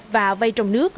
và vay trong nước